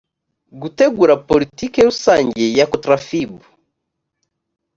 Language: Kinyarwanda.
gutegura politiki rusange ya cotrafib